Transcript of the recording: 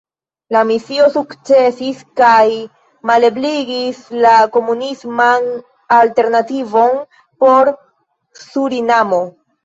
La misio sukcesis kaj malebligis la komunisman alternativon por Surinamo.